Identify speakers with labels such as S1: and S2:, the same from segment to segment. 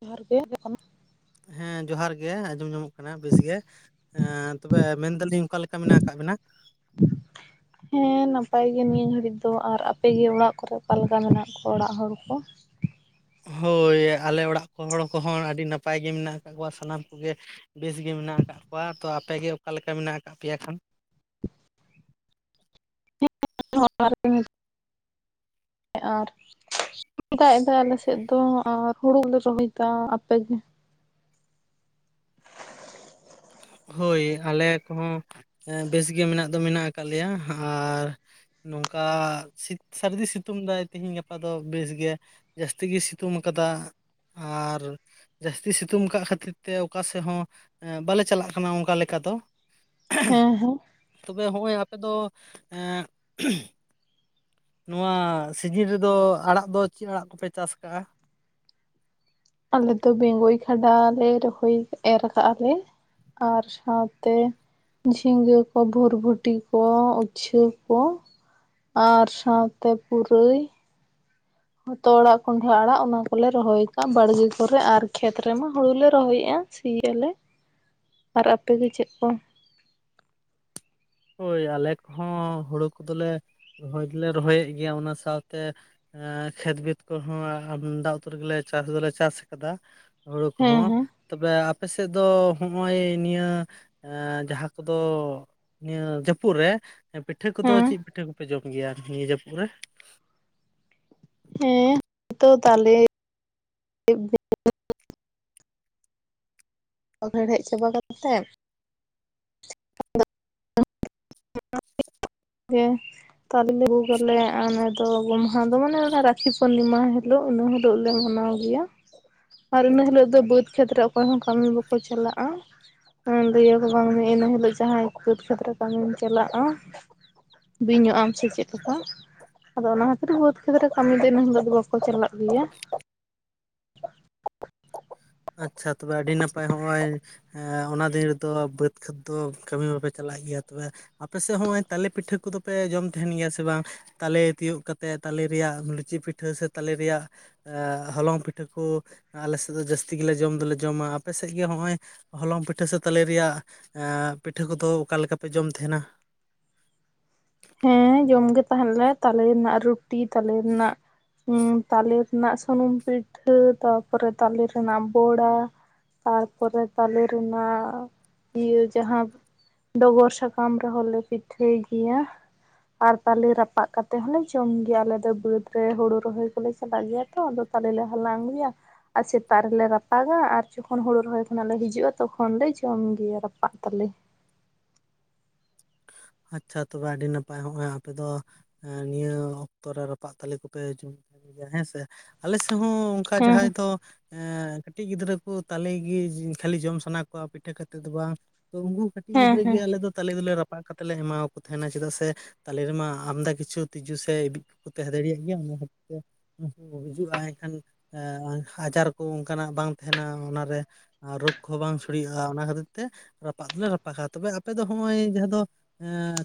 S1: ᱡᱚᱦᱟᱨ ᱜᱮ
S2: ᱦᱮᱸ ᱡᱚᱦᱟᱨ ᱜᱮ ᱟᱸᱡᱚᱢ ᱧᱟᱢᱚᱜ ᱠᱟᱱᱟ ᱵᱮᱥᱜᱮ ᱛᱚᱵᱮ ᱢᱮᱱᱫᱟᱞᱤᱧ ᱚᱠᱟ ᱠᱟ ᱢᱮᱱᱟᱜ ᱠᱟᱜ ᱵᱮᱱᱟ
S1: ᱦᱮᱸ ᱱᱟᱯᱟᱭ ᱜᱮ ᱱᱤᱭᱟᱹ ᱜᱷᱟᱹᱲᱤᱡ ᱫᱚ ᱟᱨ ᱟᱯᱮᱜ ᱜᱮ ᱚᱲᱟᱜ ᱠᱚᱨᱮ ᱚᱠᱟ ᱞᱮᱠᱟ ᱢᱮᱱᱟᱜ ᱠᱚᱣᱟ ᱚᱲᱟᱜ ᱦᱚᱲ ᱠᱚ
S2: ᱦᱳᱭ ᱟᱞᱮ ᱚᱲᱟᱜ ᱠᱚ ᱦᱚᱲ ᱠᱚᱦᱚᱸ ᱟᱹᱰᱤ ᱱᱟᱯᱟᱭ ᱜᱮ ᱢᱮᱱᱟᱜ ᱟᱠᱟᱜ ᱠᱚᱣᱟ ᱥᱟᱱᱟᱢ ᱠᱚᱜᱮ ᱵᱮᱥᱜ ᱜᱮ ᱢᱮᱱᱟᱜ ᱟᱠᱟᱫ ᱠᱚᱣᱟ ᱛᱚ ᱟᱯᱮᱜᱮ ᱚᱠᱟᱞᱮᱠᱟ ᱢᱮᱱᱟᱜ ᱟᱠᱟᱫ ᱯᱮᱭᱟ ᱠᱷᱟᱱ
S1: ᱟᱨ ᱫᱟᱜ ᱮᱫᱟ ᱟᱞ ᱥᱮᱫ ᱫᱚ ᱟᱨ ᱦᱩᱲᱩ ᱞᱮ ᱨᱚᱦᱚᱭ ᱫᱟ ᱟᱯᱮ
S2: ᱦᱳᱭ ᱟᱞᱮ ᱠᱚᱦᱚᱸ ᱵᱮᱥ ᱜᱮ ᱢᱮᱱᱟᱜ ᱫᱚ ᱢᱮᱱᱟᱜ ᱟᱠᱟᱫ ᱞᱮᱭᱟ ᱟᱨ ᱱᱚᱝᱠᱟ ᱥᱟᱹᱨᱫᱤ ᱥᱤᱛᱩᱝ ᱫᱟᱭ ᱛᱤᱦᱮᱧ ᱜᱟᱯᱟ ᱫᱚ ᱵᱮᱥ ᱜᱮ ᱡᱟᱹᱥᱛᱤ ᱜᱮᱭ ᱥᱤᱛᱩᱝ ᱟᱠᱟᱫᱟ ᱟᱨ ᱡᱟᱹᱥᱛᱤ ᱥᱤᱛᱩᱝ ᱠᱟᱜ ᱠᱷᱟᱹᱛᱤᱨ ᱛᱮ ᱚᱠᱟ ᱥᱮᱫ ᱦᱚᱸ ᱵᱟᱞᱮ ᱪᱟᱞᱟᱜ ᱠᱟᱱᱟ ᱚᱱᱠᱟ ᱞᱮᱠᱟ ᱫᱚ᱾
S1: ᱦᱮᱸ ᱦᱮᱸ
S2: ᱛᱚᱵᱮ ᱦᱚᱸᱜᱼᱚᱭ ᱟᱯᱮ ᱫᱚ ᱱᱚᱣᱟ ᱥᱤᱡᱤᱱ ᱨᱮᱫᱚ ᱟᱲᱟᱜ ᱫᱚ ᱪᱮᱫ ᱟᱲᱟᱜ ᱠᱚᱯᱮ ᱪᱟᱥ ᱠᱟᱜᱼᱟ?
S1: ᱟᱞᱮ ᱫᱚ ᱵᱮᱝᱜᱚᱭ ᱠᱷᱟᱰᱟ ᱞᱮ ᱨᱚᱦᱚᱭ ᱮᱨ ᱠᱟᱜᱼᱟ ᱞᱮ ᱟᱨ ᱥᱟᱶᱛᱮ ᱡᱷᱤᱸᱜᱟᱹ ᱠᱚ ᱵᱷᱩᱨᱵᱷᱩᱴᱤ ᱠᱚ ᱩᱪᱪᱷᱟᱹ ᱠᱚ ᱟᱨ ᱥᱟᱶᱛᱮ ᱯᱩᱨᱟᱹᱭ ᱦᱚᱛᱚᱜ ᱟᱲᱟᱜ ᱠᱚᱱᱰᱦᱟ ᱟᱲᱟᱜ ᱚᱱᱟ ᱠᱚᱞᱮ ᱨᱚᱦᱚᱭ ᱟᱠᱟᱜᱼᱟ᱾ᱵᱟᱲᱜᱮ ᱠᱚᱨᱮ ᱟᱨ ᱠᱷᱮᱛ ᱨᱮᱢᱟ ᱦᱩᱲᱩ ᱞᱮ ᱨᱚᱦᱚᱭᱮᱜᱼᱟ᱾ ᱥᱤ ᱭᱟᱞᱮ
S2: [inaudible]
S1: ᱟᱨ ᱟᱯᱮ ᱜᱮ ᱪᱮᱫ ᱠᱚ?
S2: ᱦᱳᱭ ᱟᱞᱮ ᱠᱚᱦᱚᱸ ᱦᱩᱲᱩ ᱠᱚᱫᱚᱞᱮ ᱨᱚᱦᱚᱭ ᱫᱚᱞᱮ ᱨᱚᱦᱚᱭᱮᱫ ᱜᱮᱭᱟ ᱚᱱᱟ ᱥᱟᱶᱛᱮ ᱮᱸ ᱠᱷᱮᱛ ᱵᱟᱹᱫ ᱠᱚᱦᱚᱸ ᱟᱢᱫᱟ ᱩᱛᱟᱨ ᱜᱮᱞᱮ ᱪᱟᱥ ᱫᱚᱞᱮ ᱪᱟᱥ ᱟᱠᱟᱫᱟ᱾ ᱦᱩᱲᱩ
S1: ᱦᱮᱸ
S2: ᱠᱚᱦᱚᱸ
S1: ᱦᱮᱸ
S2: ᱛᱚᱵᱮ ᱟᱯᱮ ᱥᱮᱫ ᱫᱚ ᱦᱚᱜᱼᱚᱭ ᱱᱤᱭᱟᱹ ᱡᱟᱦᱟᱸ ᱠᱚᱫᱚ ᱱᱤᱭᱟᱹ ᱡᱟᱹᱯᱩᱫ ᱨᱮ ᱯᱤᱴᱷᱟᱹ ᱠᱚᱫᱚ
S1: ᱦᱮᱸ
S2: ᱪᱮᱫ ᱯᱤᱴᱷᱟᱹ ᱠᱚᱯᱮ ᱡᱚᱢ ᱜᱮᱭᱟ ᱱᱤᱭᱟᱹ ᱡᱟᱹᱯᱩᱫ ᱨᱮ
S1: ᱦᱮᱸ ᱛᱚ ᱛᱟᱦᱮ ᱦᱮᱲᱦᱮᱫ ᱪᱟᱵᱟ ᱠᱟᱛᱮᱜ
S2: [inaudible]
S1: ᱜᱮ ᱛᱟᱞᱮ ᱞᱮ ᱵᱷᱩᱜ ᱟᱞᱮ ᱚᱱᱟ ᱫᱚ ᱜᱚᱢᱦᱟ ᱫᱚ ᱢᱟᱱᱮ ᱚᱱᱟ ᱨᱟᱠᱷᱤ ᱯᱩᱨᱱᱤᱢᱟ ᱦᱤᱞᱳᱜ ᱤᱱᱟᱹ ᱦᱤᱞᱳᱜ ᱞᱮ ᱢᱟᱱᱟᱣ ᱜᱮᱭᱟ ᱟᱨ ᱤᱱᱟᱹ ᱦᱤᱞᱳᱜ ᱫᱚ ᱵᱟᱹᱫᱽ ᱠᱷᱮᱛᱨᱮ ᱚᱠᱚᱭ ᱦᱚᱸ ᱠᱟᱹᱢᱤ ᱵᱟᱠᱚ ᱪᱟᱞᱟᱜᱼᱟ᱾ ᱫᱤᱭᱮ ᱵᱟᱝ ᱤᱱᱟᱹ ᱦᱤᱞᱳᱜ ᱡᱟᱦᱟᱸᱭ ᱵᱟᱹᱫᱽ ᱠᱷᱮᱸᱛ ᱨᱮ ᱠᱟᱹᱢᱤ ᱪᱟᱞᱟᱜᱼᱟ ᱵᱤᱧᱚᱜ ᱟᱢ ᱥᱮ ᱪᱮᱫ ᱠᱚ ᱟᱫᱚ ᱚᱱᱟ ᱠᱷᱟᱹᱛᱤᱨ ᱵᱟᱹᱫᱽ ᱠᱷᱮᱛᱨᱮ ᱠᱟᱹᱢᱤ ᱫᱚ ᱤᱱᱟᱹ ᱦᱤᱞᱳᱜ ᱫᱚ ᱵᱟᱠᱚ ᱪᱟᱞᱟᱜ ᱜᱮᱭᱟ᱾
S2: ᱟᱪᱪᱷᱟ ᱛᱚᱵᱮ ᱟᱹᱰᱤ ᱱᱟᱯᱟᱭ ᱦᱚᱸᱜᱼᱚᱭ ᱦᱮᱸ ᱚᱱᱟ ᱫᱤᱱ ᱨᱮᱫᱚ ᱵᱟᱹᱫᱽ ᱠᱷᱮᱛ ᱫᱚ ᱠᱟᱹᱢᱤ ᱵᱟᱯᱮ ᱪᱟᱞᱟᱜ ᱜᱮᱭᱟ ᱛᱚᱵᱮ ᱟᱯᱮ ᱥᱮᱫ ᱦᱚᱸᱜᱼᱚᱭ ᱛᱟᱞᱮ ᱯᱤᱴᱷᱟᱹ ᱠᱚᱫᱚᱯᱮ ᱡᱚᱢ ᱛᱟᱦᱮᱱ ᱜᱮᱭᱟ ᱥᱮ ᱵᱟᱝ? ᱛᱟᱞᱮ ᱛᱤᱭᱳᱜ ᱠᱟᱛᱮᱫ ᱛᱟᱞᱮ ᱨᱮᱭᱟᱜ ᱞᱩᱪᱤ ᱯᱤᱴᱷᱟᱹ ᱥᱮ ᱛᱟᱞᱮ ᱨᱮᱭᱟᱜ ᱦᱚᱞᱚᱝ ᱯᱤᱴᱷᱟᱹ ᱠᱚ ᱟᱞᱮ ᱥᱮᱫ ᱫᱚ ᱡᱟᱹᱥᱛᱤ ᱜᱮᱞᱮ ᱡᱚᱢ ᱫᱚᱞᱮ ᱡᱚᱢᱟ ᱟᱯᱮ ᱥᱮᱫ ᱜᱮ ᱱᱚᱜᱼᱚᱭ ᱦᱚᱞᱚᱝ ᱯᱤᱴᱷᱟᱹ ᱥᱮ ᱛᱟᱞᱮ ᱨᱮᱭᱟᱜ ᱯᱤᱴᱷᱟᱹ ᱠᱚᱫᱚ, ᱚᱠᱟ ᱞᱮᱠᱟ ᱯᱮ ᱡᱚᱢ ᱛᱟᱦᱮᱱᱟ?
S1: ᱦᱮᱸ ᱡᱚᱢ ᱜᱮ ᱛᱟᱦᱮᱱ ᱞᱮ, ᱛᱟᱞᱮ ᱨᱮᱱᱟᱜ ᱨᱩᱴᱤ ᱛᱟᱞᱮ ᱨᱮᱱᱟᱜ ᱦᱩᱸᱛᱟᱞᱮ ᱨᱮᱱᱟᱜ ᱥᱩᱱᱩᱢ ᱯᱤᱴᱷᱟᱹ ᱛᱟᱯᱚᱨᱮ ᱛᱟᱞᱮ ᱨᱮᱱᱟᱜ ᱵᱚᱲᱟ ᱛᱟᱨᱯᱚᱨᱮ ᱛᱟᱞᱮ ᱨᱮᱱᱟᱜ ᱤᱭᱟᱹ ᱡᱟᱦᱟᱸ ᱰᱚᱜᱚᱨ ᱥᱟᱠᱟᱢ ᱨᱮᱦᱚᱸ ᱞᱮ ᱯᱤᱴᱷᱟᱹᱭ ᱜᱮᱭᱟ᱾ ᱟᱨ ᱯᱟᱞᱮ ᱨᱟᱯᱟᱜ ᱠᱟᱛᱮ ᱦᱚᱸᱞᱮ ᱡᱚᱢ ᱜᱮᱭᱟ ᱾ᱟᱞᱮ ᱫᱚ ᱵᱟᱹᱫᱽ ᱨᱮ ᱦᱩᱲᱩ ᱨᱚᱦᱚᱭ ᱠᱚᱞᱮ ᱪᱟᱞᱟᱜ ᱜᱮᱭᱟ ᱛᱚ ᱟᱫᱚ ᱛᱟᱞᱮ ᱞᱮ ᱦᱟᱞᱟᱝ ᱟᱜᱩᱭᱟ ᱟᱨ ᱥᱮᱛᱟᱜ ᱨᱮᱞᱮ ᱨᱟᱯᱟᱜᱟ ᱟᱨ ᱡᱚᱠᱷᱚᱱ ᱦᱳᱲᱩ ᱨᱚᱦᱚᱭ ᱠᱷᱚᱱ ᱞᱮ ᱦᱤᱡᱩᱜᱼᱟ ᱛᱚᱠᱷᱚᱱ ᱞᱮ ᱡᱚᱢ ᱜᱮᱭᱟ ᱨᱟᱯᱟᱜ ᱛᱟᱞᱮ᱾
S2: ᱟᱪᱪᱷᱟ ᱛᱚᱵᱮ ᱟᱹᱰᱤ ᱱᱟᱯᱟᱭ ᱦᱚᱸᱜᱼᱚᱭ ᱟᱯᱮ ᱫᱚ ᱱᱤᱭᱟᱹ ᱚᱠᱛᱚ ᱨᱮ ᱨᱟᱯᱟᱜ ᱛᱟᱞᱮ ᱠᱚᱯᱮ ᱡᱚᱢ ᱜᱮᱭᱟ ᱦᱮᱸ ᱥᱮ ᱟᱞᱮ ᱥᱮᱫ ᱦᱚᱸ ᱚᱱᱠᱟ
S1: ᱦᱮᱸ
S2: ᱡᱟᱦᱟᱭ
S1: ᱦᱮᱸ
S2: ᱫᱚ ᱠᱟᱹᱴᱤᱡ ᱜᱤᱫᱽᱨᱟᱹ ᱠᱚ ᱛᱟᱞᱮ ᱜᱤ ᱠᱷᱟᱹᱞᱤ ᱡᱚᱢ ᱥᱟᱱᱟ ᱠᱚᱣᱟ᱾ ᱯᱤᱴᱷᱟᱹ ᱠᱟᱛᱮᱫ ᱫᱚ ᱵᱟᱝ ᱛᱚ ᱩᱱᱠᱩ ᱠᱟᱹᱴᱤᱡ
S1: ᱦᱮᱸ
S2: ᱜᱤᱫᱽᱨᱟᱹ ᱜᱮ ᱟᱞᱮ ᱫᱚ ᱛᱟᱞᱮ ᱫᱚ ᱨᱟᱯᱟᱜ ᱠᱟᱛᱮᱫ ᱞᱮ ᱮᱢᱟ ᱠᱚ ᱛᱟᱦᱮᱱᱟ᱾ᱪᱮᱫᱟᱜ ᱥᱮ ᱛᱟᱞᱮ ᱨᱮᱢᱟ ᱟᱢᱫᱟ ᱠᱤᱪᱷᱩ ᱛᱤᱡᱩ ᱥᱮ ᱮᱵᱤᱡ ᱠᱚᱠᱚ ᱛᱟᱦᱮᱸ ᱫᱟᱲᱮᱭᱟᱜ ᱜᱮᱭᱟ ᱚᱱᱟ ᱠᱷᱟᱛᱤᱨ ᱛᱮ ᱜᱩᱡᱩᱜᱼᱟᱭ ᱮᱱᱠᱷᱟᱱ ᱟᱡᱟᱨ ᱠᱚ ᱚᱱᱠᱟᱱᱟᱜ ᱵᱟᱝ ᱛᱟᱦᱮᱱᱟ ᱚᱱᱟᱨᱮ ᱨᱳᱜᱽ ᱠᱚᱦᱚᱸ ᱵᱟᱝ ᱥᱲᱤᱭᱟᱹᱜᱼᱟ, ᱚᱱᱟ ᱠᱷᱟᱹᱛᱤᱨ ᱛᱮ ᱨᱟᱯᱟᱜ ᱫᱚᱞᱮ ᱨᱟᱯᱟᱜᱟ ᱛᱚᱵᱮ ᱟᱯᱮ ᱫᱚ ᱱᱚᱜᱼᱚᱭ ᱡᱟᱦᱟᱸ ᱫᱚ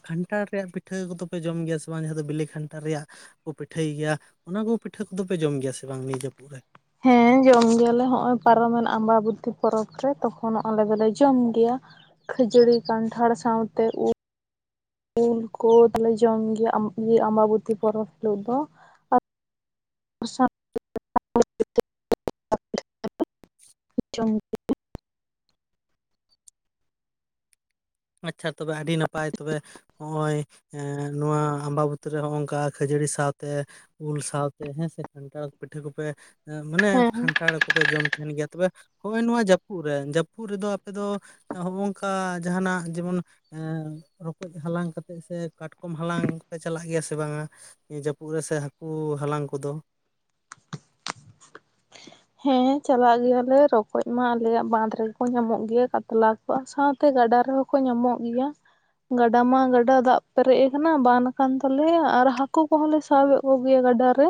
S2: ᱠᱷᱟᱱᱴᱷᱟᱲ ᱨᱮᱭᱟᱜ ᱯᱤᱴᱷᱟᱹ ᱠᱚᱫᱚᱯᱮ ᱡᱚᱢ ᱜᱮᱭᱟ ᱥᱮ ᱵᱟᱝ? ᱡᱟᱦᱟᱸ ᱫᱚ ᱵᱤᱞᱤ ᱠᱷᱟᱱᱴᱷᱟᱲ ᱨᱮᱭᱟᱜ ᱠᱚ ᱯᱤᱴᱷᱟᱹᱭ ᱜᱮᱭᱟ᱾ ᱚᱱᱟ ᱠᱚ ᱯᱤᱴᱷᱟᱹ ᱠᱚᱫᱚ ᱯᱮ ᱡᱚᱢ ᱜᱮᱭᱟ ᱥᱮ ᱵᱟᱝ? ᱱᱤᱭᱟᱹ ᱡᱟᱹᱯᱩᱫ ᱨᱮ
S1: ᱦᱮᱸ ᱡᱚᱢ ᱜᱮᱭᱟᱞᱮ ᱱᱚᱜᱼᱚᱭ ᱯᱟᱨᱚᱢᱮᱱ ᱟᱢᱵᱟᱵᱚᱛᱤ ᱯᱚᱨᱚᱵᱽ ᱨᱮ ᱛᱚᱠᱷᱚᱱ ᱟᱞᱮ ᱫᱚᱞᱮ ᱡᱚᱢ ᱜᱮᱭᱟ ᱾ ᱠᱷᱟᱹᱡᱟᱹᱲᱤ ᱠᱟᱱᱴᱷᱟᱲ ᱥᱟᱶᱛᱮ ᱩᱞ ᱾ ᱩᱞ ᱠᱚ ᱫᱚᱞᱮ ᱡᱚᱢ ᱜᱮᱭᱟ ᱟᱢᱵᱟᱵᱚᱛᱤ ᱯᱚᱨᱚᱵᱽ ᱦᱤᱞᱳᱜ ᱫᱚ ᱾ [inaudible]
S2: ᱟᱪᱪᱷᱟ ᱛᱚᱵᱮ ᱟᱹᱰᱤ ᱱᱟᱯᱟᱭ ᱛᱚᱵᱮ ᱾ ᱦᱚᱸᱜᱼᱚᱭ ᱮᱸ ᱱᱚᱣᱟ ᱟᱢᱵᱟᱵᱩᱛᱤ ᱨᱮ ᱱᱚᱜᱼᱚᱝᱠᱟ ᱠᱷᱟᱹᱡᱟᱹᱲᱤ ᱥᱟᱶᱛᱮᱼᱼ ᱩᱞ ᱥᱟᱶᱛᱮ ᱦᱮᱸᱥᱮ ᱠᱷᱟᱱᱴᱷᱟᱲ ᱯᱤᱴᱷᱟᱹ ᱠᱚᱯᱮ ᱢᱟᱱᱮ
S1: ᱦᱮᱸ
S2: ᱠᱷᱟᱱᱴᱷᱟᱲ ᱠᱚᱯᱮ ᱡᱚᱢ ᱛᱟᱦᱮᱱ ᱜᱮᱭᱟ ᱛᱚᱵᱮᱼᱼ ᱦᱳᱭ ᱱᱚᱣᱟ ᱡᱟᱹᱯᱩᱫ ᱨᱮ ᱡᱟᱹᱯᱩᱫ ᱨᱮᱫᱚ ᱟᱯᱮ ᱫᱚ ᱦᱚᱜᱼᱚᱝᱠᱟ ᱡᱟᱦᱟᱱᱟᱜᱼᱼ ᱡᱮᱢᱚᱱ ᱨᱚᱠᱚᱡ ᱦᱟᱞᱟᱝ ᱠᱟᱛᱮᱜ ᱥᱮ ᱠᱟᱴᱠᱚᱢ ᱦᱟᱞᱟᱝ ᱯᱮ ᱪᱟᱞᱟᱜ ᱜᱮᱭᱟ ᱥᱮ ᱵᱟᱝᱟ? ᱤᱭᱟᱹ ᱡᱟᱹᱯᱩᱫ ᱨᱮᱥᱮ ᱦᱟᱹᱠᱩ ᱦᱟᱞᱟᱝ ᱠᱚᱫᱚ ᱾
S1: ᱦᱮᱸ ᱪᱟᱞᱟᱜ ᱜᱮᱭᱟᱞᱮ ᱨᱚᱠᱚᱡ ᱢᱟ ᱟᱞᱮᱭᱟᱜ ᱵᱟᱸᱫ ᱨᱮᱜᱮ ᱠᱚ ᱧᱟᱢᱚᱜ ᱜᱮ ᱠᱟᱛᱞᱟᱼᱼ ᱥᱟᱶᱛᱮ ᱜᱟᱰᱟ ᱨᱮᱦᱚᱸ ᱠᱚ ᱧᱟᱢᱚᱜ ᱜᱮᱭᱟ ᱾ ᱜᱟᱰᱟ ᱢᱟ ᱜᱟᱰᱟ ᱫᱟᱜ ᱯᱮᱨᱮᱡ ᱟᱠᱟᱱᱟ ᱵᱟᱱ ᱟᱠᱟᱱ ᱛᱟᱞᱮᱭᱟ ᱟᱨ ᱦᱟᱹᱠᱩ ᱠᱚᱦᱚᱸ ᱞᱮᱼᱼ ᱥᱟᱵ ᱮᱫ ᱠᱚ ᱜᱮᱭᱟ ᱜᱟᱰᱟ ᱨᱮ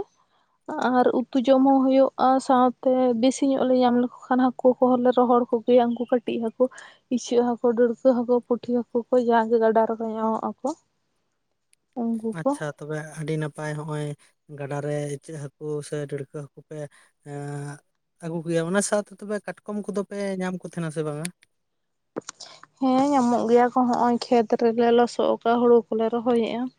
S1: ᱟᱨ ᱩᱛᱩ ᱡᱚᱢ ᱦᱚᱸ ᱦᱳᱭᱳᱜᱼᱟ ᱥᱟᱶᱼᱼ ᱛᱮ ᱵᱮᱥᱤ ᱧᱚᱜ ᱞᱮ ᱧᱟᱢ ᱞᱮᱠᱚ ᱠᱷᱟᱱ ᱦᱟᱹᱠᱩ ᱠᱚᱦᱚᱸ ᱞᱮ ᱨᱚᱦᱚᱲ ᱠᱚ ᱜᱮᱭᱟ ᱩᱱᱠᱩ ᱠᱟᱹᱴᱤᱡ ᱦᱟᱹᱠᱩ᱾ ᱤᱪᱟᱹᱜ ᱦᱟᱹᱠᱩ ᱰᱟᱹᱲᱠᱟᱹ ᱦᱟᱹᱠᱩ ᱯᱩᱴᱷᱤ ᱦᱟᱹᱠᱩ ᱠᱚ ᱡᱟ ᱜᱮ ᱜᱟᱰᱟ ᱨᱮᱠᱚ ᱧᱟᱢᱚᱜ ᱟᱠᱚ ᱾
S2: ᱟᱪᱪᱷᱟ ᱛᱚᱵᱮ ᱟᱹᱰᱤ ᱱᱟᱯᱟᱭ ᱦᱚᱸᱜᱼᱚᱭ ᱜᱟᱰᱟᱨᱮ ᱤᱪᱟᱹᱜ ᱦᱟᱹᱠᱩ ᱥᱮ ᱰᱟᱹᱲᱠᱟᱹ ᱦᱟᱹᱠᱩ ᱯᱮᱼᱼ ᱮᱸᱻ ᱟᱹᱜᱩ ᱠᱚ ᱜᱮᱭᱟ ᱚᱱᱟ ᱥᱟᱶᱛᱮ ᱛᱚᱵᱮ ᱠᱟᱴᱠᱚᱢ ᱠᱚᱫᱚ ᱯᱮ ᱧᱟᱢ ᱠᱚ ᱛᱟᱦᱮᱱᱟ ᱥᱮ ᱵᱟᱝᱼᱟ?
S1: ᱦᱮᱸ ᱧᱟᱢᱚᱜ ᱜᱮᱭᱟ ᱠᱚ ᱦᱚᱸᱜᱼᱚᱭ ᱠᱷᱮᱛ ᱨᱮ ᱞᱮ ᱞᱚᱥᱚᱫ ᱟᱠᱟᱜᱼᱟ ᱦᱩᱲᱩ ᱠᱚᱞᱮ ᱨᱚᱦᱚᱭᱮᱫᱼᱟ ᱾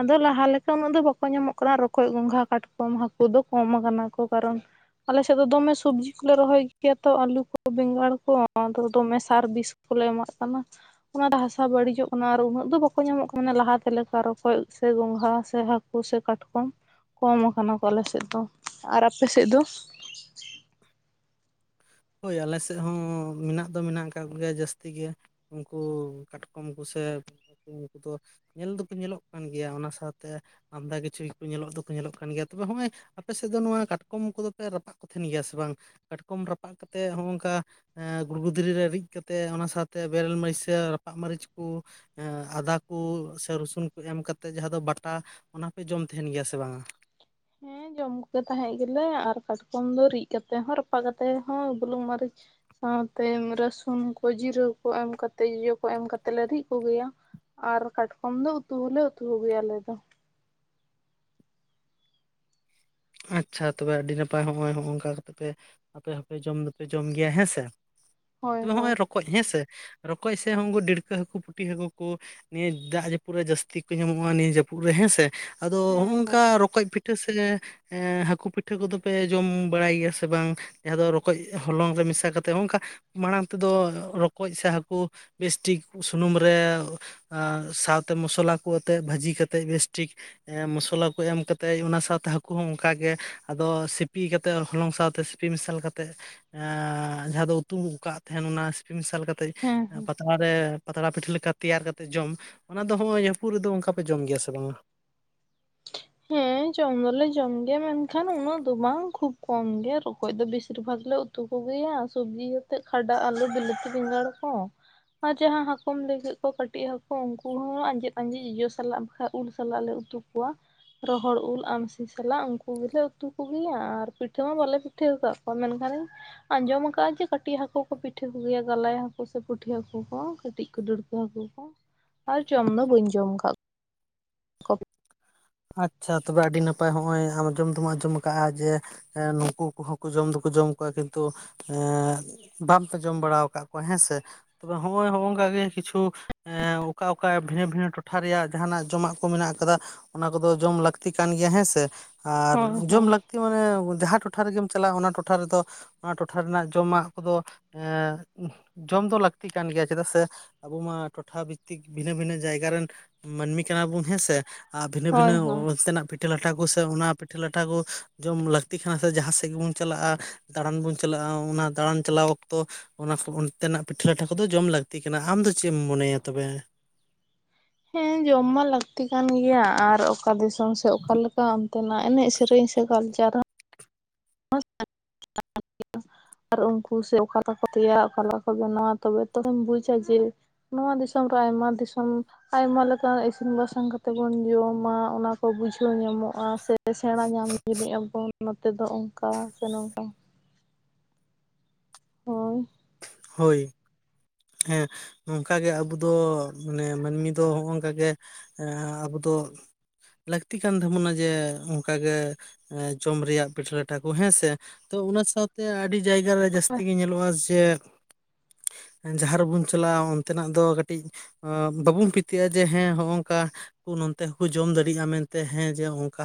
S1: ᱟᱫᱚ ᱞᱟᱦᱟ ᱞᱮᱠᱟ ᱩᱱᱟᱹᱜ ᱫᱚ ᱵᱟᱠᱚ ᱧᱟᱢᱚᱜ ᱠᱟᱱᱟ ᱨᱚᱠᱚᱡ ᱜᱚᱸᱜᱷᱟ ᱠᱟᱴᱠᱚᱢ ᱦᱟᱹᱠᱩ ᱫᱚ ᱠᱚᱢ ᱟᱠᱟᱱᱟ ᱠᱚ ᱠᱟᱨᱚᱱᱼᱼ ᱟᱞᱮ ᱥᱮᱫ ᱫᱚᱢᱮ ᱥᱚᱵᱽᱡᱤ ᱠᱚ ᱞᱮ ᱨᱚᱦᱚᱭ ᱜᱮᱭᱟ ᱛᱚ ᱟᱞᱩ ᱠᱚ ᱵᱮᱸᱜᱟᱲ ᱠᱚ ᱟᱫᱚ ᱫᱚᱢᱮᱼᱼ ᱟᱨ ᱵᱤᱥ ᱠᱚᱞᱮ ᱮᱢᱟᱜ ᱠᱟᱱᱟ ᱾ ᱚᱱᱟ ᱦᱟᱥᱟ ᱵᱟᱹᱲᱤᱡᱚᱜ ᱠᱟᱱᱟ ᱟᱨ ᱩᱱᱟᱹᱜ ᱫᱚ ᱵᱟᱠᱚ ᱧᱟᱢᱚᱜ ᱠᱟᱱᱟ ᱞᱟᱦᱟᱛᱮ ᱞᱮᱠᱟ ᱨᱚᱠᱚᱡ ᱥᱮ ᱜᱚᱝᱜᱷᱟ ᱥᱮ ᱦᱟᱹᱠᱩ ᱼᱼ ᱥᱮ ᱠᱟᱴᱠᱚᱢ ᱠᱚᱢ ᱠᱟᱱᱟ ᱠᱚ ᱟᱞᱮ ᱥᱮᱫ ᱫᱚ ᱾ ᱟᱨ ᱟᱯᱮ ᱥᱮᱫ ᱫᱚ?
S2: ᱦᱳᱭ ᱟᱞᱮ ᱥᱮᱫ ᱦᱚᱸ ᱢᱮᱱᱟᱜ ᱫᱚ ᱢᱮᱱᱟᱜ ᱟᱠᱟᱫ ᱠᱚ ᱜᱮᱭᱟ ᱡᱟᱹᱥᱛᱤ ᱜᱮ ᱾ ᱩᱱᱠᱩ ᱠᱟᱴᱠᱚᱢ ᱠᱚ ᱥᱮ ᱩᱱᱠᱩ ᱫᱚᱼᱼ ᱧᱮᱞ ᱫᱚᱠᱚ ᱧᱮᱞᱚᱜ ᱠᱟᱱ ᱜᱮᱭᱟ ᱚᱱᱟ ᱥᱟᱶᱛᱮᱼᱼ ᱟᱢᱫᱟ ᱠᱤᱪᱷᱩ ᱜᱮᱠᱚ ᱧᱮᱞᱚᱜ ᱫᱚ ᱠᱚ ᱧᱮᱞᱚᱜ ᱠᱟᱱ ᱜᱮᱭᱟ, ᱛᱚᱵᱮ ᱦᱚᱸᱜᱼᱚᱭ ᱟᱯᱮ ᱥᱮᱫ ᱫᱚ ᱱᱚᱣᱟ ᱠᱟᱴᱠᱚᱢ ᱠᱚᱫᱚ ᱯᱮ ᱨᱟᱯᱟᱜᱼᱼ ᱠᱚ ᱛᱟᱦᱮᱱ ᱜᱮᱭᱟ ᱥᱮ ᱵᱟᱝ? ᱠᱟᱴᱠᱚᱢ ᱨᱟᱯᱟᱜ ᱠᱟ ᱠᱟᱛᱮᱫ ᱦᱚᱸᱜᱼᱚᱝᱠᱟ ᱼᱼ ᱜᱩᱲᱜᱩ ᱫᱷᱤᱨᱤ ᱨᱮ ᱨᱤᱫ ᱠᱟᱛᱮᱜ ᱚᱱᱟ ᱥᱟᱶᱛᱮ ᱵᱮᱨᱮᱞ ᱢᱟᱹᱨᱤᱪ ᱥᱮ ᱨᱟᱯᱟᱜ ᱢᱟᱹᱨᱤᱪ ᱠᱩᱼᱼ ᱟᱫᱟ ᱠᱩ ᱥᱮ ᱨᱚᱥᱩᱱ ᱠᱩ ᱮᱢ ᱠᱟᱛᱮᱜ ᱡᱟᱦᱟᱸ ᱫᱚ ᱵᱟᱴᱟ ᱚᱱᱟ ᱯᱮ ᱡᱚᱢ ᱛᱟᱦᱮᱱ ᱜᱮᱭᱟ ᱥᱮ ᱵᱟᱝᱼᱟ ᱾
S1: ᱦᱮᱸ ᱡᱚᱢ ᱠᱚ ᱛᱟᱦᱮᱸᱜ ᱜᱮᱞᱮ ᱟᱨ ᱠᱟᱴᱠᱚᱢ ᱫᱚ ᱨᱤᱫ ᱠᱟᱛᱮ ᱦᱚᱸ ᱨᱟᱯᱟᱜ ᱠᱟᱛᱮ ᱦᱚᱸ ᱵᱩᱞᱩᱝ ᱢᱟᱹᱨᱤᱪ ᱼᱼ ᱥᱟᱶᱛᱮ ᱨᱟᱹᱥᱩᱱ ᱠᱚ ᱡᱤᱨᱟᱹ ᱠᱩ ᱮᱢ ᱠᱟᱛᱮ ᱡᱚᱡᱚ ᱠᱚ ᱮᱢ ᱠᱟᱛᱮᱜ ᱞᱮ ᱨᱤᱫ ᱠᱚ ᱜᱮᱭᱟ ᱾ ᱟᱨ ᱠᱟᱴᱠᱚᱢ ᱫᱚ ᱩᱛᱩ ᱦᱚᱸ ᱞᱮ ᱩᱛᱩ ᱠᱚ ᱜᱮᱭᱟ ᱟᱞᱮ ᱫᱚ ᱾
S2: ᱟᱪᱪᱷᱟ ᱛᱚᱵᱮ ᱟᱹᱰᱤ ᱱᱟᱯᱟᱭ ᱱᱚᱜᱼᱚᱭ ᱱᱚᱜᱼᱚᱭ ᱱᱚᱝᱠᱟ ᱠᱟᱛᱮ ᱯᱮᱼᱼ ᱟᱯᱮ ᱦᱚᱸ ᱯᱮ ᱡᱚᱢ ᱫᱚ ᱯᱮ ᱡᱚᱢ ᱜᱮᱭᱟ ᱦᱮᱸ ᱥᱮ
S1: ᱦᱳᱭ
S2: ᱛᱚᱵᱮ
S1: ᱦᱳᱭ
S2: ᱦᱚᱸᱜᱼᱚᱭ ᱨᱚᱠᱚᱡ ᱦᱮᱸ ᱥᱮ ᱼᱼ ᱨᱚᱠᱚᱡ ᱥᱮ ᱦᱚᱸ ᱩᱱᱠᱩ ᱰᱟᱹᱲᱠᱟᱹ ᱦᱟᱹᱠᱩ ᱯᱩᱴᱷᱤ ᱦᱟᱹᱠᱩ ᱠᱩ ᱼᱼ ᱱᱤᱭᱟᱹ ᱫᱟᱜ ᱡᱟᱹᱯᱩᱫ ᱨᱮ ᱡᱟᱹᱥᱛᱤ ᱠᱚ ᱧᱟᱢᱚᱜᱼᱟ ᱱᱤᱭᱟᱹ ᱡᱟᱹᱯᱩᱫ ᱨᱮ ᱦᱮᱸ ᱥᱮ ᱾ ᱟᱫᱚ
S1: ᱦᱮᱸ
S2: ᱦᱚᱜᱼᱚᱝᱠᱟ
S1: ᱦᱮᱸ
S2: ᱨᱚᱠᱚᱡ ᱯᱤᱴᱷᱟᱹ ᱥᱮ ᱼᱼ ᱦᱟᱹᱠᱩ ᱯᱤᱴᱷᱟᱹ ᱠᱚᱫᱚ ᱯᱮ ᱡᱚᱢ ᱵᱟᱲᱟᱭ ᱜᱮᱭᱟ ᱥᱮ ᱵᱟᱝ? ᱡᱟᱦᱟᱸ ᱫᱚ ᱨᱚᱠᱚᱡ ᱦᱚᱞᱚᱝ ᱨᱮ ᱢᱮᱥᱟ ᱠᱟᱛᱮ ᱚᱝᱠᱟ ᱼᱼ ᱢᱟᱲᱟᱝ ᱛᱮ ᱫᱚ ᱨᱚᱠᱚᱡ ᱥᱮ ᱦᱟᱹᱠᱩ ᱵᱮᱥ ᱴᱷᱤᱠ ᱥᱩᱱᱩᱢ ᱨᱮ ᱼᱼ ᱟᱨ ᱥᱟᱶᱛᱮ ᱢᱚᱥᱞᱟ ᱠᱚ ᱟᱛᱮᱫ ᱵᱷᱟᱹᱡᱤ ᱠᱟᱛᱮᱫ ᱵᱮᱥ ᱴᱷᱤᱠ ᱼᱼ ᱢᱚᱥᱞᱟ ᱠᱚ ᱮᱢ ᱠᱟᱛᱮᱜ ᱚᱱᱟ ᱥᱟᱶᱛᱮ ᱼᱼ ᱦᱟᱹᱠᱩ ᱦᱚᱸ ᱚᱱᱠᱟ ᱜᱮ ᱟᱫᱚ ᱥᱤᱯᱤ ᱠᱟᱛᱮᱫ ᱦᱚᱞᱚᱝ ᱥᱟᱶᱛᱮ ᱥᱤᱯᱤ ᱢᱮᱥᱟᱞ ᱠᱟᱛᱮᱫ ᱼᱼ ᱮᱸᱻ ᱡᱟᱦᱟᱸ ᱫᱚ ᱩᱛᱩᱣ ᱠᱟᱜ ᱛᱟᱦᱮᱱ ᱚᱱᱟ ᱥᱤᱯᱤ ᱢᱮᱥᱟᱞ ᱠᱟᱛᱮ
S1: ᱦᱮᱸ ᱦᱮᱸ
S2: ᱯᱟᱛᱼᱼ ᱨᱮ ᱯᱟᱛᱲᱟ ᱯᱤᱴᱷᱟᱹ ᱞᱮᱠᱟ ᱛᱮᱭᱟᱨ ᱠᱟᱛᱮᱫ ᱡᱚᱢ, ᱚᱱᱟ ᱫᱚ ᱦᱚᱸᱜᱼᱚᱭ ᱡᱟᱹᱯᱩᱫ ᱨᱮᱫᱚ ᱚᱱᱠᱟ ᱯᱮ ᱡᱚᱢ ᱜᱮᱭᱟ ᱥᱮ ᱵᱟᱝᱟ?
S1: ᱦᱮᱸ ᱡᱚᱢ ᱫᱚᱞᱮ ᱡᱚᱢ ᱜᱮᱭᱟ ᱢᱮᱱᱠᱷᱟᱱ ᱩᱱᱟᱹᱜ ᱫᱚ ᱵᱟᱝ ᱠᱷᱩᱵ ᱠᱚᱢ ᱜᱮ ᱨᱚᱠᱚᱡ ᱫᱚ ᱵᱮᱥᱤᱨ ᱵᱷᱟᱜᱽ ᱞᱮ ᱼᱼ ᱩᱛᱩ ᱠᱚ ᱜᱮᱭᱟ ᱥᱚᱵᱽᱡᱤ ᱟᱛᱮᱜ ᱠᱷᱟᱰᱟ ᱟᱹᱞᱩ ᱵᱤᱞᱟᱹᱛᱤ ᱵᱮᱸᱜᱟᱲ ᱠᱚ ᱾ ᱟᱨ ᱡᱟᱦᱟᱸ ᱦᱟᱠᱩᱢ ᱞᱟᱹᱭ ᱠᱮᱫ ᱠᱚ ᱠᱟᱹᱴᱤᱡ ᱦᱟᱠᱩ ᱩᱝᱠᱩ ᱦᱚᱸ ᱟᱸᱡᱮᱫ ᱟᱸᱡᱮᱫ ᱡᱚᱡᱚ ᱥᱟᱞᱟᱜ ᱠᱷᱟᱡ ᱩᱞ ᱥᱟᱞᱟᱜ ᱞᱮ ᱩᱛᱩ ᱠᱚᱣᱟ᱾ ᱨᱚᱦᱚᱲ ᱩᱞ ᱟᱢᱥᱤ ᱥᱟᱞᱟᱜ ᱩᱝᱠᱩ ᱜᱮᱞᱮ ᱩᱛᱩ ᱠᱚᱜᱮᱭᱟ ᱟᱨ ᱯᱤᱴᱷᱟᱹ ᱢᱟ ᱵᱟᱞᱮ ᱯᱤᱴᱷᱟᱹᱣ ᱠᱟᱫ ᱠᱚᱣᱟ ᱢᱮᱱᱠᱷᱟᱱ ᱟᱸᱡᱚᱢ ᱟᱠᱟᱜ-ᱟᱹᱧ ᱡᱮ ᱠᱟᱹᱴᱤᱡ ᱦᱟᱹᱠᱩ ᱠᱚ ᱯᱤᱴᱷᱟᱹ ᱠᱚᱜᱮᱭᱟ ᱜᱟᱞᱟᱭ ᱦᱟᱹᱠᱩ ᱥᱮ ᱯᱩᱴᱷᱤ ᱦᱟᱹᱠᱩ ᱠᱚ ᱠᱟᱹᱴᱤᱡ ᱠᱚ ᱫᱟᱹᱲ ᱦᱟᱹᱠᱩ ᱠᱚ ᱟᱨ ᱡᱚᱢ ᱫᱚ ᱵᱟᱹᱧ ᱡᱚᱢ ᱠᱟᱫ ᱠᱚᱣᱟ᱾ ᱠᱚ
S2: ᱟᱪᱪᱷᱟ ᱛᱚᱵᱮ ᱟᱹᱰᱤ ᱱᱟᱯᱟᱭ ᱦᱚᱸᱜᱼᱚᱭ ᱟᱢ ᱟᱸᱡᱚᱢ ᱫᱚᱢ ᱟᱸᱡᱚᱢ ᱠᱟᱜᱼᱟ ᱡᱮ ᱮᱸ ᱱᱩᱠᱩ ᱠᱚᱦᱚᱸ ᱠᱚ ᱡᱚᱢ ᱫᱚᱠᱚ ᱡᱚᱢ ᱠᱚᱣᱟ ᱠᱤᱱᱛᱩ ᱮᱸᱻ ᱵᱟᱢᱯᱮ ᱡᱚᱢ ᱵᱟᱲᱟ ᱠᱟᱜ ᱠᱚᱣᱟ ᱦᱮᱸᱥᱮ ᱛᱚᱵᱮ ᱦᱚᱸᱜᱼᱚᱭ ᱦᱚᱸᱜ-ᱚᱭ ᱦᱚᱸᱜ-ᱚᱝᱠᱟ ᱜᱮ ᱠᱤᱪᱷᱩ ᱮᱸᱻ ᱚᱠᱟ ᱚᱠᱟ ᱵᱷᱤᱱᱟᱹ ᱵᱷᱤᱱᱟᱹ ᱴᱚᱴᱷᱟ ᱨᱮᱭᱟᱜ ᱡᱟᱦᱟᱱᱟᱜ ᱡᱚᱢᱟᱜ ᱠᱚ ᱢᱮᱱᱟᱜ ᱟᱠᱟᱫᱟ᱾ ᱚᱱᱟ ᱠᱚᱫᱚ ᱡᱚᱢ ᱞᱟᱹᱠᱛᱤ ᱠᱟᱱ ᱜᱮᱭᱟ ᱦᱮᱸ ᱥᱮ ᱟᱨ
S1: ᱦᱳᱭ ᱦᱳᱭ
S2: ᱡᱚᱢ ᱞᱟᱹᱠᱛᱤ [unintelligible] ᱡᱟᱦᱟᱸ ᱴᱚᱴᱷᱟ ᱨᱮᱜᱮᱢ ᱪᱟᱞᱟᱜᱼᱟ ᱚᱱᱟ ᱴᱚᱴᱷᱟ ᱨᱮᱫᱚ ᱚᱱᱟ ᱴᱚᱴᱷᱟ ᱨᱮᱱᱟᱜ ᱡᱚᱢᱟᱜ ᱠᱚᱫᱚ ᱮᱸᱻ ᱡᱚᱢ ᱫᱚ ᱞᱟᱹᱠᱛᱤ ᱠᱟᱱ ᱜᱮᱭᱟ ᱪᱮᱫᱟᱜ ᱥᱮ ᱟᱵᱚ ᱢᱟ ᱴᱚᱴᱷᱟ ᱵᱷᱤᱛᱛᱤᱠ ᱵᱷᱤᱱᱟᱹ ᱵᱷᱤᱱᱟᱹ ᱡᱟᱭᱜᱟ ᱨᱮᱱ ᱢᱟᱹᱱᱢᱤ ᱠᱟᱱᱟ ᱵᱚᱱ ᱦᱮᱸᱥᱮ᱾ ᱟᱨ ᱵᱷᱤᱱᱟᱹ ᱵᱷᱤᱱᱟᱹ
S1: ᱦᱳᱭ ᱦᱳᱭ
S2: ᱚᱱᱛᱮᱱᱟᱜ ᱯᱤᱴ ᱯᱤᱴᱷᱟᱹ ᱞᱟᱴᱷᱟ ᱠᱚ ᱥᱮᱮ ᱚᱱᱟ ᱯᱤᱴᱷᱟᱹ ᱞᱟᱴᱷᱟ ᱠᱚ ᱡᱚᱢ ᱞᱟᱹᱠᱛᱤ ᱠᱟᱱᱟ ᱥᱮ ᱡᱟᱦᱟᱸ ᱥᱮᱫ ᱜᱮᱵᱚᱱ ᱪᱟᱞᱟᱜᱼᱟ ᱫᱟᱬᱟᱱ ᱵᱚᱱ ᱪᱟᱞᱟᱜᱼᱟ ᱚᱱᱟ ᱫᱟᱬᱟᱱ ᱪᱟᱞᱟᱣ ᱚᱠᱛᱚ ᱚᱱᱟ ᱠᱚ ᱚᱱᱛᱮᱱᱟᱜ ᱯᱤᱴᱷᱟᱹ ᱞᱟᱴᱷᱟ ᱠᱚᱫᱚ ᱡᱚᱢ ᱞᱟᱹᱠᱛᱤ ᱠᱟᱱᱟ ᱟᱢ ᱫᱚ ᱪᱮᱫ ᱮᱢ ᱢᱚᱱᱮᱭᱟ ᱛᱚᱵᱮ?
S1: ᱦᱮᱸ ᱡᱚᱢ ᱢᱟ ᱞᱟᱹᱠᱛᱤ ᱠᱟᱱ ᱜᱮᱭᱟ ᱟᱨ ᱚᱠᱟ ᱫᱤᱥᱚᱢ ᱥᱮᱡ ᱚᱠᱟᱞᱮᱠᱟ ᱚᱱᱛᱮᱱᱟᱜ ᱮᱱᱮᱡ ᱥᱮᱨᱮᱧ ᱥᱮ ᱠᱟᱞᱪᱟᱨ ᱦᱚᱸ [unintelligible] [unintelligible] ᱟᱨ ᱩᱝᱠᱩ ᱥᱮ ᱚᱠᱟ ᱞᱮᱠᱟ ᱠᱚ ᱛᱮᱭᱟᱨᱟ ᱚᱠᱟ ᱞᱮᱠᱟ ᱠᱚ ᱵᱮᱱᱟᱣᱟ ᱛᱚᱵᱮ ᱛᱚᱢ ᱵᱩᱡᱟ ᱡᱮ ᱱᱚᱣᱟ ᱫᱤᱥᱚᱢ ᱨᱮ ᱟᱭᱢᱟ ᱫᱤᱥᱚᱢ ᱟᱭᱢᱟ ᱞᱮᱠᱟᱱᱟᱜ ᱤᱥᱤᱱ ᱵᱟᱥᱟᱝ ᱠᱟᱛᱮ ᱵᱚᱱ ᱡᱚᱢᱟ ᱚᱱᱟ ᱠᱚ ᱵᱩᱡᱷᱟᱹᱣ ᱧᱟᱢᱚᱜᱼᱟ ᱥᱮ ᱥᱮᱬᱟ ᱧᱟᱢ ᱞᱟᱹᱜᱤᱫᱚᱜ-ᱟᱵᱚᱱ ᱱᱚᱛᱮ ᱫᱚ ᱚᱱᱠᱟ ᱥᱮ ᱱᱚᱝᱠᱟ᱾ ᱦᱳᱭ
S2: ᱦᱳᱭ ᱦᱮᱸ ᱱᱚᱝᱠᱟᱜᱮ ᱟᱵᱚ ᱫᱚ ᱢᱟᱱᱮ ᱢᱟᱹᱱᱢᱤ ᱫᱚ ᱦᱚᱸᱜᱼᱚᱝᱠᱟ ᱜᱮ ᱮᱸᱻ ᱟᱵᱚ ᱫᱚ ᱞᱟᱹᱠᱛᱤ ᱠᱟᱱ ᱛᱟᱵᱚᱱᱟ ᱡᱮ ᱚᱝᱠᱟᱜᱮ ᱮᱸᱻ ᱡᱚᱢ ᱨᱮᱭᱟᱜ ᱯᱤᱴᱷᱟᱹ ᱞᱟᱴᱷᱟ ᱠᱚ ᱦᱮᱸᱥᱮ ᱛᱚ ᱚᱱᱟ ᱥᱟᱶ ᱛᱮ ᱟᱹᱰᱤ ᱡᱟᱭᱜᱟ ᱨᱮ ᱡᱟᱹᱥᱛᱤ ᱜᱮ ᱧᱮᱞᱚᱜᱼᱟ ᱡᱮ ᱡᱟᱦᱟᱸ ᱨᱮᱵᱚᱱ ᱪᱟᱞᱟᱜᱼᱟ ᱚᱱᱛᱮᱱᱟᱜ ᱫᱚ ᱠᱟᱹᱴᱤᱡ ᱚᱸ ᱵᱟᱵᱚᱱ ᱯᱤᱛᱤᱭᱟᱹᱜᱼᱟ ᱡᱮ ᱦᱮᱸ ᱦᱚᱸᱜᱼᱚᱝᱠᱟ ᱩᱱ ᱚᱱᱛᱮ ᱦᱚᱸᱠᱚ ᱡᱚᱢ ᱫᱟᱲᱮᱭᱟᱜᱼᱟ ᱢᱮᱱᱛᱮ ᱦᱮᱸ ᱡᱮ ᱚᱝᱠᱟ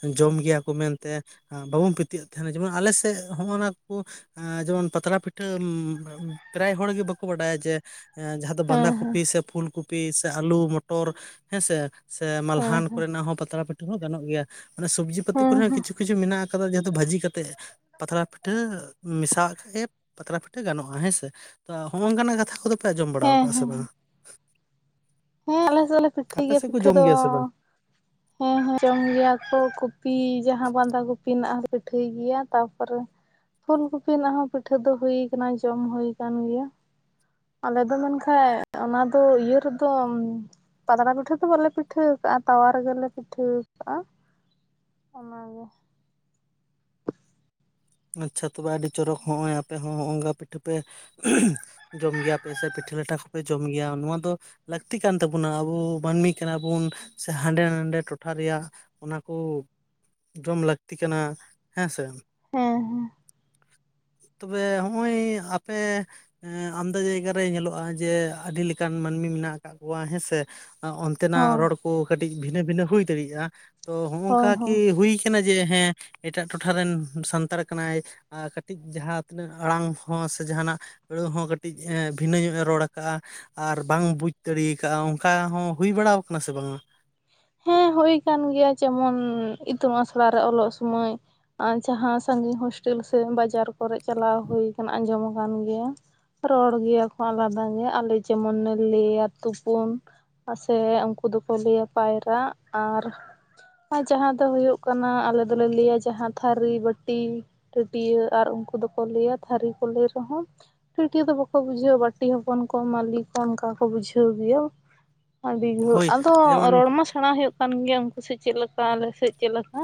S2: ᱦᱚᱸ ᱡᱚᱢ ᱜᱮᱭᱟ ᱠᱚ ᱢᱮᱱᱛᱮ ᱵᱟᱵᱚᱱ ᱯᱤᱛᱭᱟᱹᱜ ᱛᱟᱦᱮᱱᱟ ᱡᱮᱢᱚᱱ ᱟᱞᱮ ᱥᱮᱫ ᱦᱚᱸᱜᱼᱚ ᱱᱟ ᱠᱚ ᱮᱸᱻ ᱡᱮᱢᱚᱱ ᱯᱟᱛᱲᱟ ᱯᱤᱴᱷᱟᱹ ᱯᱨᱟᱭ ᱦᱚᱲ ᱜᱮ ᱵᱟᱠᱚ ᱵᱟᱰᱟᱭᱟ ᱡᱮ ᱡᱟᱦᱟᱸ ᱫᱚ ᱵᱟᱸᱫᱷᱟ
S1: ᱦᱮᱸ ᱦᱮᱸ
S2: ᱠᱚᱯᱤ ᱥᱮ ᱯᱷᱩᱞ ᱠᱚᱯᱤ ᱯᱤ ᱥᱮ ᱟᱹᱞᱩ ᱢᱚᱴᱚᱨ ᱦᱮᱸᱥᱮ ᱥᱮ
S1: ᱦᱮᱸ
S2: ᱢᱟᱞᱦᱟᱱ
S1: ᱦᱮᱸ
S2: ᱠᱚᱨᱮᱱᱟᱜ ᱦᱚᱸ ᱯᱟᱛᱲᱟ ᱯᱤᱴᱷᱟᱹ ᱦᱚᱸ ᱜᱟᱱᱚᱜ ᱜᱮᱭᱟ᱾ ᱢᱟᱱᱮ ᱥᱚᱵᱽᱡᱤ ᱯᱟᱛᱤ
S1: ᱦᱮᱸ
S2: ᱠᱚᱨᱮ ᱦᱚᱸ
S1: ᱦᱮᱸ
S2: ᱠᱤᱪᱷᱩ ᱠᱤᱪᱷᱩ ᱢᱮᱱᱟᱜ ᱟᱠᱟ ᱠᱟᱫᱟ ᱡᱮᱦᱮᱛᱩ ᱵᱷᱟᱹᱡᱤ ᱠᱟᱛᱮᱫ ᱯᱟᱛᱲᱟ ᱯᱤᱴᱷᱟᱹ ᱢᱮᱥᱟᱜ ᱠᱷᱟᱡ ᱮ ᱯᱟᱛᱲᱟ ᱯᱤᱴᱷᱟᱹ ᱜᱟᱱᱚᱜᱼᱟ᱾ ᱦᱮᱸᱥᱮ ᱛᱚ, ᱦᱚᱸᱜᱼᱚᱝᱠᱟᱱᱟᱜ ᱠᱟᱛᱷᱟ ᱠᱚᱫᱚ ᱯᱮ ᱟᱸᱧᱚᱢ ᱵᱟᱲᱟᱣ
S1: ᱦᱮᱸ
S2: ᱠᱟᱜᱼᱟ ᱥᱮ
S1: ᱦᱮᱸ
S2: ᱵᱟᱝ?
S1: ᱦᱮᱸ ᱟᱞᱮ ᱥᱮᱫ ᱫᱚᱞᱮ ᱯᱤᱴᱷᱟᱹᱭ
S2: ᱟᱯᱮ
S1: ᱜᱮᱭᱟ
S2: ᱥᱮᱫ ᱠᱚ
S1: ᱯᱤᱴᱷᱟᱹ
S2: ᱡᱚᱢ
S1: ᱫᱚ᱾
S2: ᱜᱮᱭᱟ ᱥᱮ ᱵᱟᱝ?
S1: ᱦᱮᱸ ᱦᱮᱸ ᱡᱚᱢ ᱜᱮᱭᱟ ᱠᱚ ᱠᱚᱯᱤ ᱡᱟᱦᱟᱸ ᱵᱟᱸᱫᱷᱟ ᱠᱚᱯᱤ ᱨᱮᱱᱟᱜ ᱯᱤᱴᱷᱟᱹᱭ ᱜᱮᱭᱟ ᱛᱟᱯᱚᱨᱮ ᱯᱷᱩᱞ ᱠᱩᱯᱤ ᱨᱮᱱᱟᱜ ᱦᱚᱸ ᱯᱤᱴᱷᱟᱹ ᱫᱚ ᱦᱩᱭ ᱠᱟᱱᱟ ᱡᱚᱢ ᱦᱩᱭ ᱠᱟᱱ ᱜᱮᱭᱟ᱾ ᱟᱞᱮ ᱫᱚ ᱢᱮᱱᱠᱷᱟᱡ ᱚᱱᱟ ᱫᱚ ᱤᱭᱟᱹ ᱨᱮ ᱛᱚᱢ ᱯᱟᱛᱲᱟ ᱯᱤᱴᱷᱟᱹ ᱫᱚ ᱵᱟᱞᱮ ᱯᱤᱴᱷᱟᱹ ᱟᱠᱟᱟᱜᱼᱟ ᱛᱟᱣᱟ ᱨᱮᱜᱮᱞᱮ ᱯᱤᱴᱷᱟᱹᱣ ᱠᱟᱜᱼᱟ᱾ ᱚᱱᱟᱜᱮ
S2: ᱟᱪᱪᱷᱟ ᱛᱚᱵᱮ ᱟᱹᱰᱤ ᱪᱚᱨᱚᱠ ᱦᱚᱸᱜᱼᱚᱭ ᱟᱯᱮ ᱦᱚᱸᱜ-ᱚᱝᱠᱟ ᱯᱤᱴᱷᱟᱹ ᱯᱮ ᱡᱚᱢ ᱜᱮᱭᱟᱯᱮ ᱥᱮ ᱯᱤᱴᱷᱟᱹ ᱞᱟᱴᱷᱟ ᱠᱚᱯᱮ ᱡᱚᱢ ᱜᱮᱭᱟ ᱱᱚᱣᱟ ᱫᱚ ᱞᱟᱹᱠᱛᱤ ᱠᱟᱱ ᱛᱟᱵᱚᱱᱟ ᱟᱵᱚ ᱢᱟᱹᱱᱢᱤ ᱠᱟᱱᱟ ᱵᱚᱱ ᱥᱮ ᱦᱟᱸᱰᱮ ᱱᱟᱰᱮ ᱴᱚᱴᱷᱟ ᱨᱮᱭᱟᱜ ᱚᱱᱟ ᱠᱚ ᱡᱚᱢ ᱞᱟᱹᱠᱛᱤ ᱠᱟᱱᱟ ᱦᱮᱸᱥᱮ
S1: ᱦᱮᱸ ᱦᱮᱸ
S2: ᱛᱚᱵᱮ ᱦᱚᱜᱼᱚᱭ ᱟᱯᱮ ᱟᱢᱫᱟ ᱡᱟᱭᱜᱟ ᱨᱮ ᱧᱮᱞᱚᱜᱼᱟ ᱡᱮ ᱟᱹᱰᱤ ᱞᱮᱠᱟᱱ ᱢᱟᱹᱱᱢᱤ ᱢᱮᱱᱟᱜ ᱟᱠᱟᱜ ᱠᱚᱣᱟ ᱦᱮᱸᱥᱮ ᱛᱮᱱᱟᱜ
S1: ᱦᱳᱭ
S2: ᱨᱚᱲ ᱠᱚ ᱠᱟᱹᱴᱤᱡ ᱵᱷᱤᱱᱟᱹ ᱵᱷᱤᱱᱟᱹ ᱦᱩᱭ ᱫᱟᱲᱮᱭᱟᱜᱼᱟ ᱛᱚ ᱦᱚᱜᱼ ᱱᱚᱝᱠᱟ
S1: ᱦᱳᱭ ᱦᱳᱭ
S2: ᱠᱤ ᱦᱩᱭ ᱠᱟᱱᱟ ᱡᱮ ᱦᱮᱸ ᱮᱴᱟᱜ ᱴᱚᱴᱷᱟ ᱨᱮᱱ ᱥᱟᱱᱛᱟᱲ ᱠᱟᱱᱟᱭ ᱠᱟᱹᱴᱤᱡ ᱡᱟᱦᱟᱸ ᱛᱤᱱᱟᱹᱜ ᱟᱲᱟᱝ ᱦᱚᱸ ᱥᱮ ᱡᱟᱦᱟᱱᱟᱜ ᱟᱹᱲᱟᱹ ᱦᱚᱸ ᱠᱟᱹᱴᱤᱡ ᱵᱷᱤᱱᱟᱹ ᱧᱚᱜᱼ ᱮ ᱨᱚᱲ ᱟᱠᱟᱟᱜᱼᱟ ᱟᱨ ᱵᱟᱝ ᱵᱩᱡᱽ ᱫᱟᱲᱮᱠᱟᱟᱜᱼᱟ ᱚᱱᱠᱟ ᱦᱚᱸ ᱦᱩᱭ ᱵᱟᱲᱟᱣᱠ ᱥᱮ ᱵᱟᱝᱟ
S1: ᱦᱮᱸ ᱦᱩᱭ ᱠᱟᱱ ᱜᱮᱭᱟ ᱡᱮᱢᱚᱱ ᱤᱛᱩᱱ ᱟᱥᱲᱟ ᱨᱮ ᱚᱞᱚᱜ ᱥᱩᱢᱚᱭ ᱟᱨ ᱡᱟᱦᱟᱸ ᱥᱟᱹᱜᱤᱧ ᱦᱳᱥᱴᱮᱞ ᱥᱮ ᱵᱟᱡᱟᱨ ᱠᱚᱨᱮᱜ ᱪᱟᱞᱟᱣ ᱦᱩᱭᱠ ᱟᱸᱡᱚᱢ ᱟᱠᱟᱱ ᱜᱮᱭᱟ ᱨᱚᱲ ᱜᱮᱭᱟ ᱠᱚ ᱟᱞᱟᱫᱟ ᱜᱮ ᱟᱞᱮ ᱡᱮᱢᱚᱱ ᱞᱮ ᱞᱟᱹᱭᱟ ᱛᱩᱯᱩᱱ ᱥᱮ ᱩᱱᱠᱩ ᱫᱚᱠᱚ ᱞᱟᱹᱭᱟ ᱯᱟᱭᱨᱟᱜ ᱟᱨ ᱟᱨ ᱡᱟᱦᱟᱸ ᱫᱚ ᱦᱩᱭᱩᱜ ᱠᱟᱱᱟ ᱟᱞᱮ ᱫᱚᱞᱮ ᱞᱟᱹᱭᱟ ᱡᱟᱦᱟᱸ ᱛᱷᱟᱹᱨᱤ ᱵᱟᱹᱴᱤ ᱴᱟᱹᱴᱭᱟᱹ ᱟᱨ ᱩᱱᱠᱩ ᱫᱚᱠᱚ ᱞᱟᱹᱭᱟ ᱛᱷᱟᱹᱨᱤ ᱠᱚ ᱞᱟᱹᱭ ᱨᱮᱦᱚᱸ ᱟᱹᱴᱤᱭᱟᱹ ᱫᱚ ᱵᱟᱠᱚ ᱵᱩᱡᱷᱟᱹᱣᱟ ᱵᱟᱹᱴᱤ ᱦᱚᱯᱚᱱ ᱠᱚ ᱢᱟᱹᱞᱤᱠ ᱠᱚ ᱚᱱᱠᱟ ᱠᱚ ᱵᱩᱡᱷᱟᱹᱣ ᱜᱮᱭᱟ ᱟᱹᱰᱤ ᱡᱷᱚᱨ
S2: ᱦᱳᱭ
S1: ᱟᱫᱚ
S2: ᱡᱮᱢᱚᱱ
S1: ᱨᱚᱲᱢᱟ ᱥᱮᱬᱟ ᱦᱩᱭᱩᱜ ᱠᱟᱱ ᱜᱮᱭᱟ ᱩᱱᱠᱩ ᱥᱮ ᱪᱮᱫ ᱞᱮᱠᱟ ᱟᱞᱮ ᱥᱮᱫ ᱪᱮᱫ ᱞᱮᱠᱟ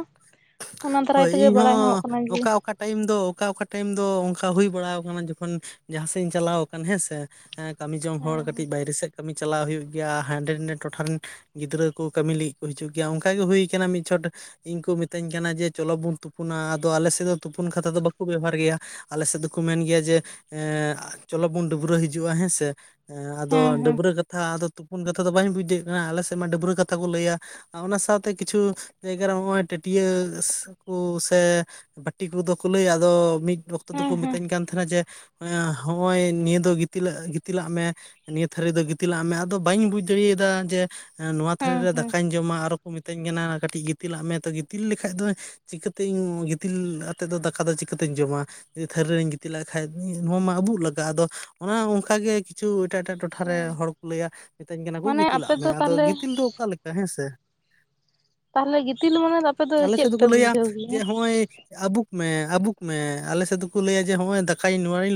S1: ᱚᱱᱟ ᱫᱟᱨᱟᱭ
S2: ᱦᱳᱭ
S1: ᱛᱮᱜᱮ ᱵᱟᱲᱟᱭ ᱧᱟᱢᱚᱜ
S2: ᱤᱧᱦᱚᱸ
S1: ᱠᱟᱱᱟ ᱡᱮ
S2: ᱚᱠᱟ ᱚᱠᱟ ᱴᱟᱭᱤᱢ ᱫᱚ ᱚᱠᱟ ᱚᱠᱟ ᱴᱟᱭᱤᱢ ᱫᱚ ᱚᱱᱠᱟ ᱦᱩᱭ ᱵᱟᱲᱟ ᱟᱠᱟᱱᱟ ᱡᱚᱠᱷᱚᱱ ᱡᱟᱦᱟᱸ ᱥᱮᱡ ᱤᱧ ᱪᱟᱞᱟᱣ ᱟᱠ ᱦᱮᱸᱥᱮ ᱠᱟᱹᱢᱤ ᱡᱚᱝ ᱦᱚᱲ
S1: ᱦᱮᱸ
S2: ᱠᱟᱹᱴᱤᱡ ᱵᱟᱭᱨᱮ ᱥᱮᱫ ᱠᱟᱹᱢᱤ ᱪᱟᱞᱟᱣ ᱦᱩᱭᱩᱜ ᱜᱮᱭᱟ ᱦᱟᱸᱰᱮ ᱱᱟᱰᱮ ᱴᱚᱴᱷᱟ ᱨᱮᱱ ᱜᱤᱫᱽᱨᱟᱹ ᱠᱚ ᱠᱟᱹᱢᱤ ᱞᱟᱹᱜᱤᱫ ᱠᱚ ᱦᱤᱡᱩᱜ ᱜᱮᱭᱟ ᱚᱱᱠᱟ ᱜᱮ ᱦᱩᱭ ᱠᱟᱱᱟ ᱢᱤᱫ ᱪᱷᱚᱴ ᱤᱧ ᱠᱚ ᱢᱤᱛᱟᱹᱧ ᱠᱟᱱᱟ ᱡᱮ ᱪᱚᱞᱚ ᱵᱚᱱ ᱛᱩᱯᱩᱱᱟ ᱟᱫᱚ ᱟᱞᱮ ᱥᱮᱫ ᱫᱚ ᱛᱩᱯᱩᱱ ᱠᱟᱛᱷᱟ ᱫᱚ ᱵᱟᱠᱚ ᱵᱮᱵᱚᱦᱟᱨ ᱜᱮᱭᱟ ᱟᱞᱮ ᱥᱮᱫ ᱫᱚᱠᱚ ᱢᱮᱱ ᱜᱮᱭᱟ ᱡᱮ ᱮ ᱪᱚᱞᱚ ᱵᱚᱱ ᱰᱟᱹᱵᱽᱨᱟᱹ ᱦᱤᱡᱩᱜᱼᱟ ᱦᱮᱸᱥ ᱦᱮᱸ
S1: ᱦᱮᱸ
S2: ᱟᱫᱚ
S1: ᱦᱮᱸ
S2: ᱰᱟᱹᱵᱽᱨᱟᱹ ᱠᱟᱛᱷᱟ ᱟᱫᱚ ᱛᱩᱯᱩᱱ ᱠᱟᱛᱷᱟ ᱫᱚ ᱵᱟᱹᱧ ᱵᱩᱡᱮᱫ ᱠᱟᱱᱟ ᱟᱞᱮ ᱥᱮᱫ ᱢᱟ ᱰᱟᱹᱵᱽᱨᱟᱹ ᱠᱟᱛᱷᱟ ᱠᱚ ᱞᱟᱹᱭᱟ ᱟᱨ ᱚᱱᱟ ᱥᱟᱶᱛᱮ ᱠᱤᱪᱷᱩ ᱡᱟᱭᱜᱟ ᱨᱮ ᱱᱚᱜᱼᱚᱭ ᱴᱟᱹᱴᱤᱭᱟᱹᱟᱹ ᱠᱚ ᱥᱮ ᱵᱟᱹᱴᱤ ᱠᱚᱫᱚ ᱠᱚ ᱞᱟᱹᱭᱟ ᱟᱫᱚ ᱢᱤᱫ ᱚᱠᱛᱚ
S1: ᱦᱮᱸ
S2: ᱫᱚᱠᱚ
S1: ᱦᱮᱸ
S2: ᱢᱤᱛᱟᱹᱧ ᱠᱟᱱ ᱛᱟᱦᱮᱸᱱᱟ ᱛᱟᱦᱮᱱᱟ ᱡᱮ ᱦᱚᱸᱜᱼᱚᱭ ᱱᱤᱭᱟᱹ ᱫᱚ ᱜᱤᱛᱤᱞ ᱜᱤᱛᱤᱞᱟᱜ ᱢᱮ ᱱᱤᱭᱟᱹ ᱛᱷᱟᱹᱨᱤ ᱫᱚ ᱜᱤᱛᱤᱞᱟᱜ ᱢᱮ ᱟᱫᱚ ᱵᱟᱹᱧ ᱵᱩᱡ ᱫᱟᱲᱮᱭᱟᱫᱟ ᱡᱮ ᱱᱚᱣᱟ ᱛᱷᱟᱹᱨᱤ
S1: ᱦᱮᱸ
S2: ᱨᱮ
S1: ᱦᱮᱸ
S2: ᱫᱟᱠᱟᱧ ᱡᱚᱢᱟ ᱟᱨᱚ ᱠᱚ ᱢᱤᱛᱟᱹᱧ ᱠᱟᱱᱟ ᱠᱟᱹᱴᱤᱡ ᱜᱤᱛᱤᱞᱟᱜ ᱢᱮ ᱛᱚ ᱜᱤᱛᱤᱞ ᱞᱮᱠᱷᱟᱡ ᱫᱚ ᱪᱤᱠᱟᱹᱛᱮᱧ ᱜᱤᱛᱤᱞ ᱟᱛᱮᱫ ᱫᱚ ᱫᱟᱠᱟ ᱫᱚ ᱪᱤᱠᱟᱹᱛᱤᱧ ᱡᱚᱢᱟ ᱛᱷᱟᱹᱨᱤ ᱨᱤᱧ ᱜᱤᱛᱤᱡ ᱞᱮᱜ ᱠᱷᱟᱱᱡ ᱱᱚᱣᱟ ᱢᱟ ᱟᱵᱩᱜ ᱞᱟᱜᱟᱜᱼᱟ ᱟᱫᱚ ᱮ ᱚᱱᱠ ᱜᱮ ᱠᱤᱪᱷᱩ ᱮᱴᱟᱜ ᱮᱴᱟᱜ ᱴᱚᱴᱷᱟ ᱴᱚᱴᱷᱟ ᱨᱮ
S1: ᱦᱮᱸ
S2: ᱦᱚᱲ ᱠᱚ ᱞᱟᱹᱭᱟ ᱢᱤᱛᱟᱹᱧ ᱠᱟᱱᱟ ᱠᱚ
S1: ᱢᱟᱱᱮ ᱟᱯᱮ
S2: ᱜᱤᱛᱤᱞᱟᱜ ᱢᱮ
S1: ᱫᱚ
S2: ᱟᱫᱚ
S1: ᱛᱟᱦᱚᱞᱮ
S2: ᱜᱤᱛᱤᱞ ᱫᱚ ᱚᱠᱟ ᱞᱮᱠᱟ ᱦᱮᱸ ᱥᱮ
S1: ᱛᱟᱦᱚᱞᱮ ᱜᱤᱛᱤᱞ ᱢᱟᱱᱮ ᱟᱯᱮ ᱫᱚ
S2: ᱟᱞᱮ
S1: ᱪᱮᱫ
S2: ᱥᱮᱫ ᱫᱚᱠᱚ
S1: ᱯᱮ
S2: ᱞᱟᱹᱭᱟ
S1: ᱵᱩᱡᱷᱟᱹᱣ
S2: ᱡᱮ
S1: ᱜᱮᱭᱟ
S2: ᱱᱚᱜᱼᱚᱭ ᱟᱵᱩᱠ ᱢᱮ ᱟᱵᱩᱠ ᱢᱮ ᱟᱞᱮ ᱥᱮᱫ ᱫᱚᱠᱚ ᱞᱟᱹᱭᱟ ᱡᱮ ᱱᱚᱜ ᱚᱭ ᱫᱟᱠᱟᱧ ᱱᱚᱣᱟᱧ ᱞ